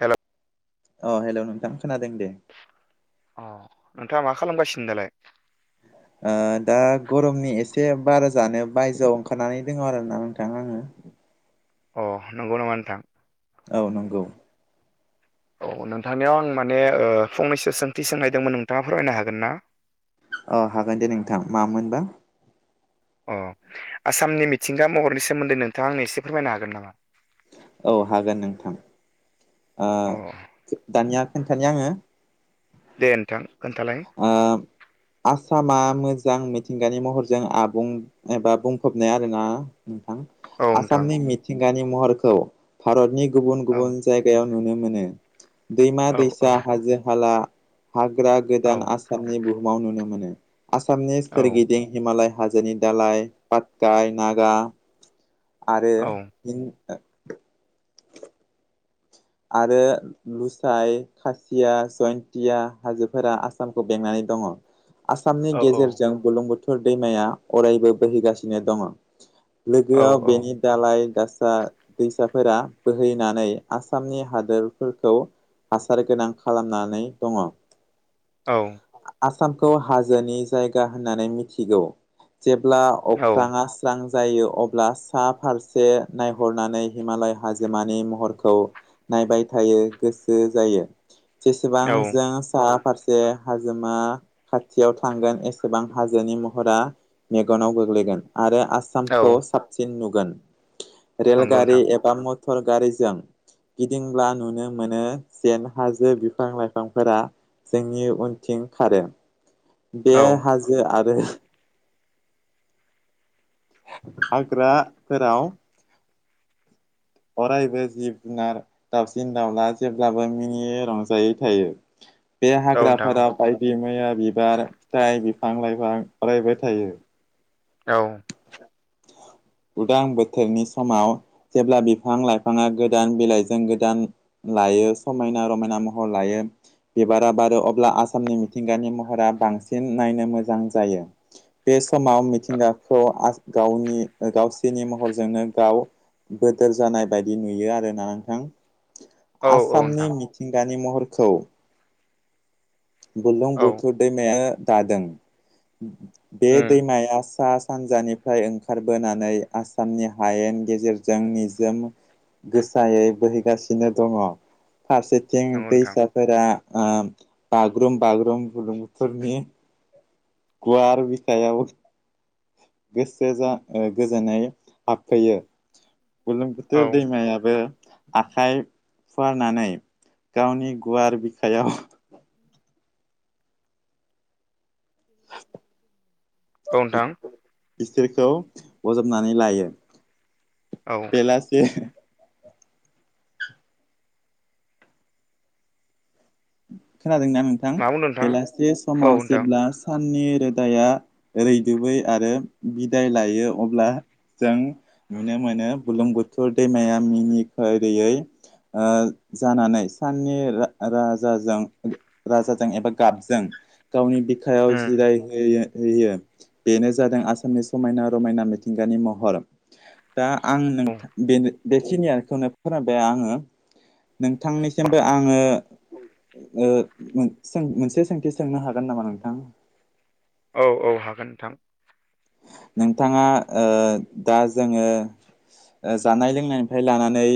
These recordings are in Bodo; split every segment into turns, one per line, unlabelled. हेलौ
अ' हेल' नोंथां खोनादों दे।
अ' नोंथाङा मा खालामगासिनो दालाय।
ओ दा गरमनि एसे बारा जानो बायजोआव ओंखारनानै दङ आरोोना नोंथां आङो।
अ' नंगौ नङा नोंथां।
औ नंगौ।
औ नोंथांनियाव आं माने ओ फंनैसो सोंथि सोंहनायदोंमोन नोंथाङा फमरायनो हागोन ना?
अ' हागोन दे नोंथां मामोनबा।
अ' आसामनि मिथिंगा महरनि सोमोन्दै नोंथाङा आंनो एसे फोरमायनो हागोन नामा?
औ हागोन नोंथां। ओ
अ'
दानिया खोन्थानि आङो।
दे नोंथां खोन्थालाय
आ आसामा मोजां मिथिंगानि महरजों आबुं एबा बुंफबनाय आरोना नोंथां।
औ नोंथां
आसामनि मिथिंगानि महरखौ भारतनि गुबुन
औ
गुबुन जायगायाव बेयाव नुनो मोनो दैमा
औ औ
-दैसा, हाजो- हाला, हाग्रा
औ
गोदान आसाम आसामनि बुहुमाव नुनो मोनो आसामनि
औ
सोरगिदिं हिमालय हाजोनि दालाय पाटकाय नागा आरो
औ
आरो लुसाइ, खासिया, जयन्तया हाजोफोरा आसामखौ बेंनानै दङ। आसामनि
औ
गेजेरजों बुलुं बुथोर दैमाया अरायबो बोहैगासिनो दङ। लोगोआव बेनि दालाय दासा दैसाफोरा बोहैनानै आ आसामनि हादोरफोरखौ हासार गोनां खालामनानै दङ।
औ।
आसामखौ हाजोनि जायगा होननानै मिथिगौ जेब्ला
औ
अख्रांङा स्रां जायो अब्ला सा फारसे नायहरनानै हिमालय हाजोमानि महरखौ नायबाय थायो गोसो जायो जेसेबां
औ
जों सा जे हाजोमा खाथियाव थांगोन एसेबां हाजोनि महरा मेगनाव गोग्लैगोन आरो आ
औ
खौ साबसिन नुगोन
नंगौ
रेलगारि
नोंथां
एबा म मटर गारिजों गिदिंब्ला नुनो मोनो जेन हाजो बिफां लाइफांफोरा जोंनि उनथिं खारो बे
औ
हाजो आरो आग्रा फोराव अरायबो जिब -जुनार, दाउसिन -दाउला जेब्लाबो मिनियै रंजायै थायो। बे
औ नोंथां
हाग्राफोराव
औ
बायदि मैया बिबार, फिथाइ, बिफां- लाइफां फरायबाय थायो।
औ।
उदां बोथोरनि समाव जेब्ला बिफां - लाइफाङा गोदान बिलाइजों गोदान लायो समायना - रमायना महर लायो। बिबारा बारो अब्ला आसामनि मिथिंगानि महरा बांसिन नायनो मोजां जायो। बे समाव मिथिंगाखौ गावनि गावसोरनि महरजोंनो गाव बोदोर जानाय बायदि नुयो आरोना नोंथां।
औ
आसामनि
नोंथां
मिथिंगानि महरखौ
औ
बुलुंबुथुर दैमाया- दादों बे
उम
दैमाया सा सानजानि ओंखारबोनानै आसामनि हायेन गेजेरजों निजोम गोसायै बोहैगासिनो दङ फारसे जों
नंगौ नोंथां
दैसाफोरा ओ बागुरुम -बागुरुम गुलुंफोरनि गुवार बिखायाब गोसो जा ओ गोजोननाय हाबफैयो। बुरलुंबुथुर
औ औ
दैमायाबो आखाइ फुवारनानै गावनि गुवार बिखायाव
औ नोंथां।
बिसोरखौ बजबनानै लायो।
औ।
[unintelligible] [unintelligible] खोनादोंनाा नोंथां
मा बुंदों नोंथाङा
बेलासि
औ
समाव
नोंथां
जेब्ला साननि रोदाया रैदुबै आरो बिदाय लायो अब्ला जों नुनो मोनो बुलुं बुथुर दैमाया मिनि खैरोयै जानानै साननि राज राजाजों एबा गाबजों गावनि बिखायाव जिराय
उम
होयो। बेनो जादों आसामनि समायना रमायना मिथिंगानि महर। दा आं नोंथां बेनो बे खिनि खौनो फोरमायबाय आङो नोंथांनिसिमबो आङो। ओ मोनसे सोंथि सोंनो हागोन नामा नोंथां?
औ औ हागोन नोंथां।
नोंथाङा ओ दा जोङो जानाय लोंनायनिफ्राय लानानै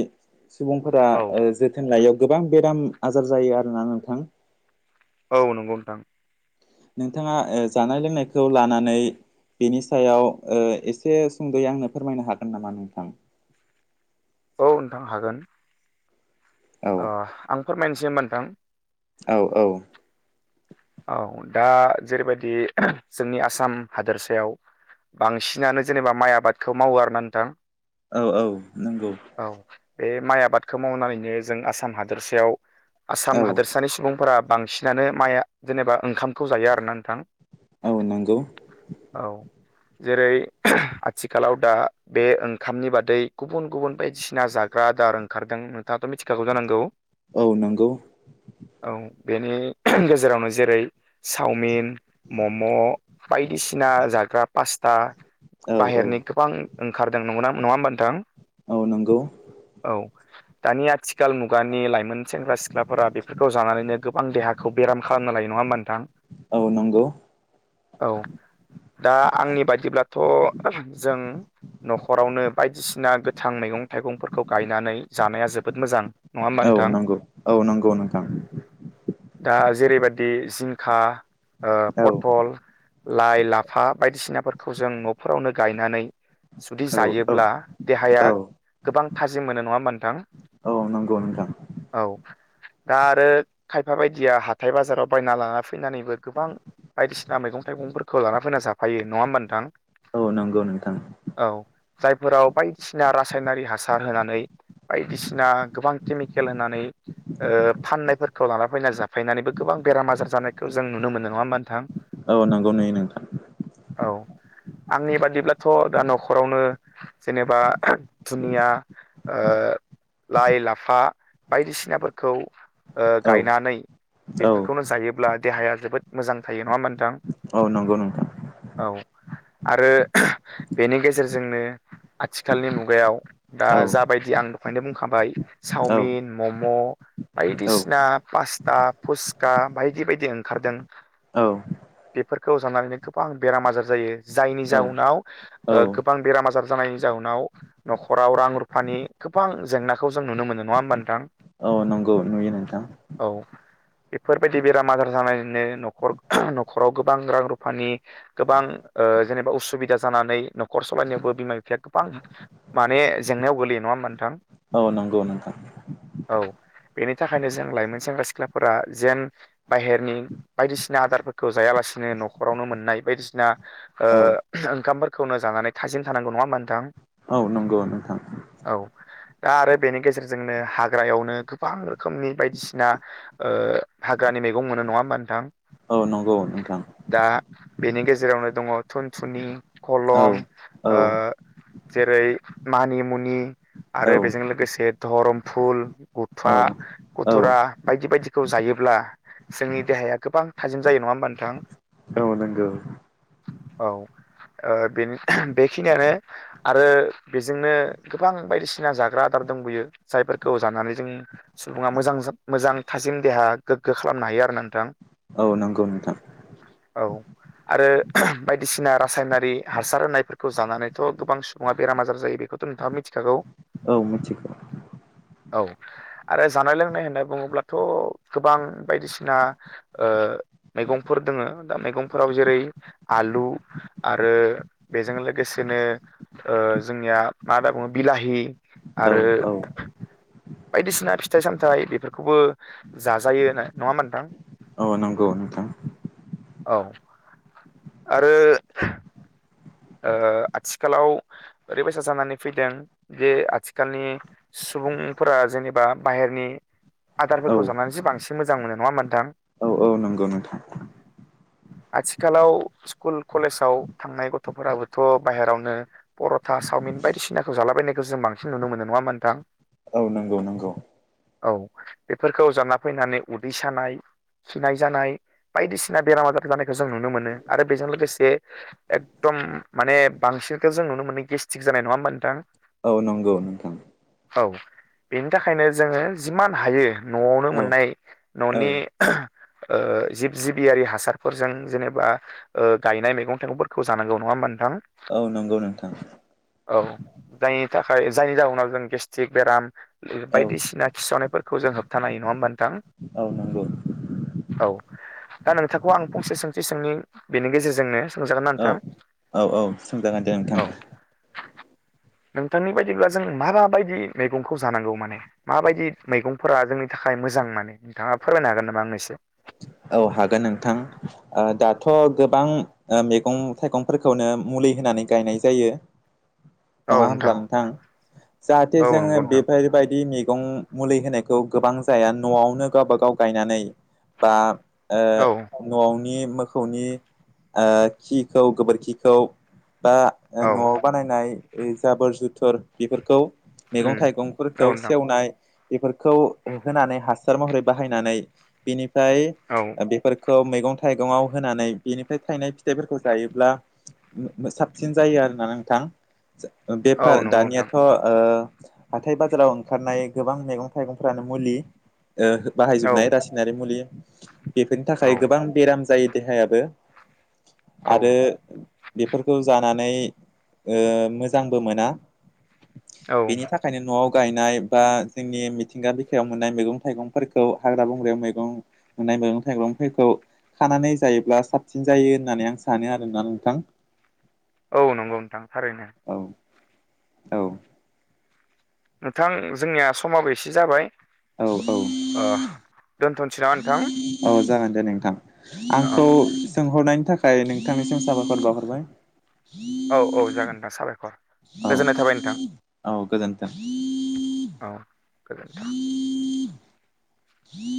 सुबुंफोरा
औ
जोथोन लायैआव गोबां बेराम आजार जायो आरोना नोंथां।
औ नंगौ नोंथां।
नोंथांङा जानाय लोंनायखौ लानानै। बेनि सायाव ओ एसे सुंद'यै आंनो फोरमायनो हागोन नामा नोंथां?
औ नोंथां हागोन।
औ
अ' आं फोरमायनोसै होनबा नोंथां।
औ औ।
औ दा जेरैबायदि जोंनि आसाम हादोरसायाव बांसिनानो जेनेबा माइ आबादखौ मावो आरो ना नोंथां।
औ औ नंगौ।
औ। बे माइ आबादखौ मावनानैनो जों आसाम हादोरसायाव आसाम
औ
हादोरसानि सुबुंफोरा बांसिनानो माइ जेनेबा ओंखामखौ जायो आरोना नोंथां।
औ नांगौ।
औ। जेरै आथिखालाव दा बे ओंखामनि बादै गुबुन गुबुन बायदिसिना जाग्रा आदार ओंखारदों नोंथाङाथ' मिथिखागौ जानांगौ।
औ नंगौ।
औ बेनि गेजेरावनो जेरै, चावमिन, मम', बायदिसिना जाग्रा पास्ता,
औ औ
बाहेरनि गोबां ओंखारदों नंगौना नङा होनोबा नोंथां
औ नंगौ‌
औ दानि आथिखाल मुगानि लाइमोन सेंग्रा सिख्लाफोरा बेफोरखौ जानानैनो। गोबां देहाखौ बेराम खालामना लायो नङा होमबा नोंथां।
औ नंगौ।
औ। दा आंनि बायदिब्लाथ' जों न'खरावनो बायदिसिना गोथां मैगं थाइगंफोरखौ गायनानै जानाया जोबोद मोजां। नङा होमबा
औ
नोंथां
नंगौ। औ नंगौ नोंथां।
दा जेरैबायाददि जिंखा ओ
औ
पथल। लाइ लाफा बायदिसिनाफोरखौ जों न'फोरावनो गायनानै जुदि
औ
जायोब्ला।
औ
देहाया
औ
गोबां थाजिम मोनो नङा होनबा नोंथां।
औ नंगौ नोंथां।
औ दा आरो खायफा बायदिया हाथाय बाजाराव बायना लाना फैनानैबो गोबां। बायदिसिना मैगं थाइगंफोरखौ लाना फैना जाफायो नङा होमबा नोंथां
औ नंगौ नोंथां
औ जायफोराव बायदिसिना बसिना रासायनारि हासार होनानै बायदिसिना गोबां केमिकेल होनानै फाननायफोरखौ लाना फैनानै जाफैनानैबो गोबां बेराम आजार जानायखौ जों नुनो मोनदों नङा मा नोंथां
औ नंगौ नुयो नोंथां
औ आंनि बादिब्लाथ' दा न'खरावनो जेनेबा दुनिया लाइ लाफा बायदिसिनाफोरखौ ओ
औ
गायनानै
औ
बेफोरखौनो जायोब्ला देहाया जोबोद मोजां थायो नङा होनबा नोंथां
औ नंगौ नोंथां
औ आरो बेनि गेजेरजोंनो आथिखालनि मुगायाव दा
औ
जाबायदि आं दखायनो बुंखाबाय
औ
चावमिन मम'
औ
बायदिसिना पास्ता फुसक बायदि बायदि ओंखारदों
औ
बेफोरखौ जानानैनो गोबां बेराम आजार जायो जायनि जाउनाव
औ
ओ गोबां बेराम आजार जानाय जाउनाव न'खराव रां रुफानि गोबां जेंनाखौ जों नुनो मोनो नङा होमबा नोंथां
नांगौ नुयो नोंथां
औ बेफोरबायदि बेराम आजार जानानैनो न'खर न'खराव गोबां रां रुफानि गोबां जेनेबा उसुबिदा जानानै न'खर सालायनायावबो बिमा ज गोबां माने जेंनायाव गोगलैयो नङा होनबा नोंथां थां
औ नंगौ नोंगौ
औ बेनि थाखायनो जों लाइमोन सेंग्रा सिख्लाफोरा जेन बाहेरनि बायदिसिना आदारफोरखौ जायालासिनो न'खरावनो मोननाय बायदिसिना
औ
ओंखामफोरखौनो जानानै थाजिम थानांगौ नङा होनबा नोंथां
औ नंगौ नोंथां
औ दा आरो बेनि गेजेरजोंनो हाग्रायावनो गोबां रोखोमनि बायदिसिना हाग्रानि मैगं मोनो नङा होमबा नोंथां
औ नंगौ नोंथां
दा बेनि गेजेरावनो दङ थुनथुनि
औ
खलम
औ
जेरै मानि मुनि
औ
आरो बेजों लोगोसे धरमफुल
औ
गुथाया
औ
गथरा बायदि बायदिखौ जायोब्ला जोंनि देहाया गोबां थाजिम जायो नङा होमबा नोंथां।
औ नांगौ।
औ बेखिनियानो आरो बेजोंनो गोबां बायदिसिना जाग्रा आदार दं बियो जायफोरखौ जानानै जों सुबुङा मोजां मोजां थाजिम देहा गोगो खालामनो हायो आरो ना नोंथां
ग नांगौ नोंथां
औ आरो बायदिसिना रासायनारि हासार होनायफोरखौ जानानै थ' गोबां सुबुङा बेराम आजार जायो बेखौथ' नोंथाङा मिथिखागौ
औ मिथिगौ।
औ आरो जानाय लोंनाय होनना बुङोब्लाथ' गोबां बायदिसिना ओ मैगंफोर दोङो दा मैगंफोराव जेरै आलु आरो बेजों लोगोसे बिदिनो जोंनिया मा होना बुङो बिलाहि
औ
आरो
औ
बायदिसिना फिथाइ सामथाइ बेफोरखौबो जाजायो नङा होनबा नोंथां
औ नंगौ नोंथां।
औ आरो ओ आथिखालाव ओरैबायसा जानानै फैदों बे आथिखालनि सुबुंफोरा जेनेबा बाहेरनि
औ
आदारफोरखौ जावानानैसो बांसिन मोजां मोनो नङा नोंथां?
औ औ नंगौ नोंथां
आथिखालाव स्कुल कलेजाव थांनाय ग गथ'फोराबोथ' बाहेरावनो पर'था चाविन बायदिसिनाखौ जालाबायनायखौ जों बांसिन नुनो मोनो नङा होनबा नोंथां?
औ नंगौ नंगौ।
औ बेफोरखौ जाना फैनानै उदै सानाय खिनाय जानाय बायदिसिना बेराम आजार जानायखौ जों नुनो मोनो आरो बेजों लोगोसे एकद माने बांसिनखौ जों नुनो मोनो गेस्टिक जानाय नङा होमबा नोंथां
औ नंगौ नोंथां
औ बेनि थाखायनो जोङो जिमान हायो न'आवनो
औ
मोननाय
औ
न'नि ओ जिब-जिबियारि हासारफोरजों जेनेबा ओ गायनाय मैगं-थाइगंफोरखौ जानांगौ नङा हा नोंथां?
औ नंगौ नों थां
औ जायनि थाखाय जायनि जाहनाव जों गेस्ट्रिक बेराम ओ
औ
बायदिसिना खिसावनायफोरखौ जों होबथानो हायो नङा होमबा नोंथां?
औ नांगौ
औ दा नोंथांखौ आं फंसे सोंथि सोंनि बेनि गेजेरजोंनो सोंजागोन आ थां
सोजागोन दे नोंथां
नोंथांनि बायदिब्ला जों माबायदि मैगंखौ जानांगौ माने माबायदि मैगंफोरा जोंनि थाखाय मोजां माने नोंथाङा फोरमायनो हागोन नामा आंनो एसे
औ हागोन नोंथां ओ दाथ' गोबां ओ मैगं-थाइगंफोरखौनो मुलि होनानै गायनाय जायो। नङा होमब्ला नोंथां जाहाथे
औ
जोङो
नंगौ नोंथां
बेफोरबायदि मैगं मुलि होनायखौ गोबां जाया न'आवनो गावबा गाव गायनानै बा
औ
ओ न'नि मोखौनि ओ खिखौ गोबोरखिखौ बा ओ
औ उम
न'आव बानायनाय जाबोर जुथुर बेफोरखौ मैगं-थाइगंफोरखौ
औ नोंथां
सेवनाय बेफोरखौ होनानै हासार महरै बाहायनानै बिनिफ्राय
औ
बेफोरखौ मैगं-थाइगंआव होनानै बेनिफ्राय थायनाय फिथाइफोरखौ जायोब्ला साबसिन जायो आरोना नोंथां
औ
बेफार
नंगौ नोंथां
दानियाथ' ओ हाथाय बाजाराव ओंखारनाय गोबां मैगं-थाइगंफ्रानो मुलि ओ
औ
बाहायजोबनाय रासायनारि मुलि बेफोरनि
औ
थाखाय गोबां बेराम जायो देहायाबो
औ
आरो बेफोरखौ जानानै ओ मोजांबो मोना
औ
बेनि था बेनिखायनो न'आव गायनाय बा जोंनि मिथिंगा बिखायाव मोननाय मैगं-थाइगंफोरखौ हाग्रा-बंग्रायाव मैगं मोननाय मैगं-थाइगंफोरखौ खानानै जायोब्ला साबसिन जायो होननानै आं सानो आरोना नोंथां
औ नंगौ नोंथां थारैनो
औ औ
नोंथां जोंनिया समाबो एसे जाबाय
औ औ
ओ दोनथ'सै नामा नोंथां?
औ जागोन दे नोंथां
औ
आंखौ सोंहरनायनि थाखाय नोंथांनिसिम साबायखर बावहरबाय।
औ औ जागोन नोंथां साबायखर गोजोननाय
औ
थाबाय नोंथां।
औ गोजोन्थों
औ गोजोनथों।